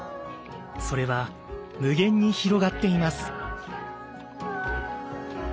それは無限に広がっています。